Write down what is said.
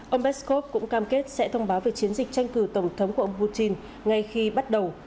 ông peskov cũng cam kết sẽ thông báo về chiến dịch tranh cử tổng thống của ông putin ngay khi bắt đầu